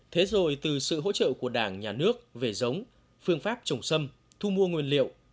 thế rồi từ sự hỗ trợ của đảng nhà nước về giống phương pháp trồng xâm thu mua nguyên liệu